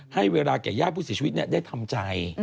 ให้เวลาแก่ญาติผู้เสียชีวิตได้ทำใจ